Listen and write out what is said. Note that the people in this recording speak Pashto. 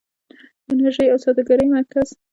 د انرژۍ او سوداګرۍ مرکز.